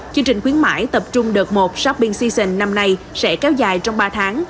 chương trình khuyến mại tập trung đợt một shopping season năm nay sẽ kéo dài trong ba tháng